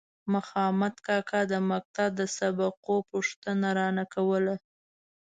مخامد کاکا د مکتب د سبقو پوښتنه رانه کوله.